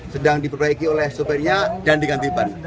sedang diperbaiki oleh sopirnya dan diganti ban